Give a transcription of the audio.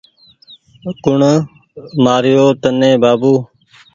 ڪوٚڻ مآري يو تني بآبو